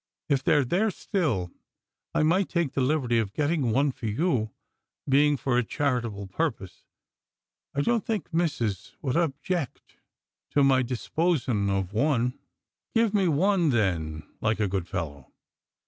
If they're there still, I might take the liberty of gettin' one for yon ; bein' for a charitable purpose, I don't think missus would objeck to my disposin' of one." " Get me one, then, like a good fellow."